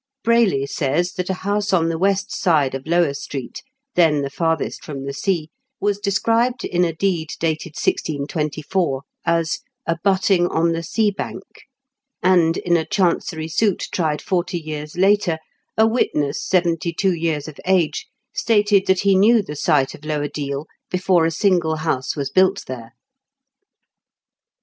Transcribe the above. Brayley says that a house on the west side of Lower Street, then the farthest from the sea, was described in a deed dated 1624 as "abutting on the sea bank;" and in a Chancery suit tried forty years later, a witness, seventy two years of age, stated that he knew the site of Lower Deal before a single house was built there.